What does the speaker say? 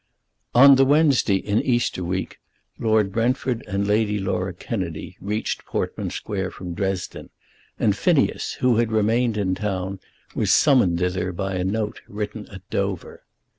On the Wednesday in Easter week Lord Brentford and Lady Laura Kennedy reached Portman Square from Dresden, and Phineas, who had remained in town, was summoned thither by a note written at Dover.